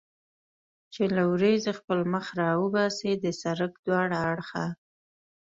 چې له ورېځې خپل مخ را وباسي، د سړک دواړه اړخه.